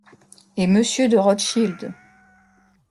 Et Monsieur de Rothschild…